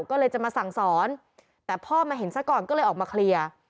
ก็เลยจะมาสั่งสอนแต่พ่อมาเห็นซะก่อนก็เลยออกมาเคลียร์